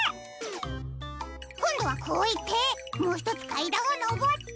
こんどはこういってもうひとつかいだんをのぼって。